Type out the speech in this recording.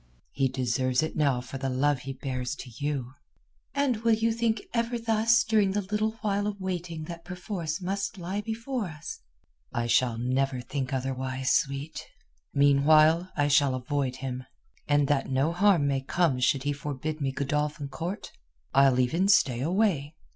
"He deserves it now for the love he bears to you." "And you will think ever thus during the little while of waiting that perforce must lie before us?" "I shall never think otherwise, sweet. Meanwhile I shall avoid him, and that no harm may come should he forbid me Godolphin Court I'll even stay away.